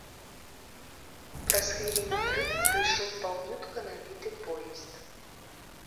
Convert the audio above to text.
Праз хвіліны тры прыйшоў паўнютка набіты поезд.